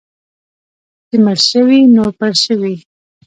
چې مړ شوې، نو پړ شوې.